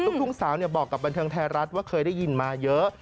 ทุ่งสาวบอกกับบันเทิงไทยรัฐว่าเคยได้ยินมาเยอะ